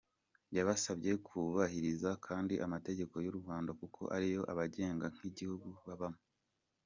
Yabasabye kubahiriza kandi amategeko y’u Rwanda kuko ariyo abagenga nk’igihugu babamo.